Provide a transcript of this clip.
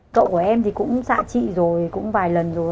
cậu của em thì cũng xạ trị rồi cũng vài lần rồi